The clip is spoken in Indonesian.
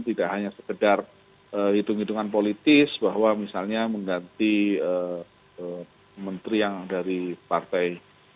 tidak hanya sekedar hitung hitungan politis bahwa misalnya mengganti menteri yang dari partai